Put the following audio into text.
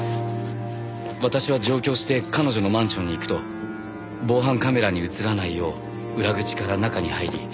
私は上京して彼女のマンションに行くと防犯カメラに映らないよう裏口から中に入り。